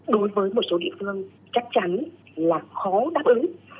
đối với một số địa phương chắc chắn là khó đáp ứng